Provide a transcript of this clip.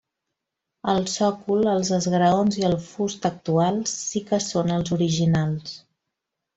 El sòcol, els esgraons i el fust actuals sí que són els originals.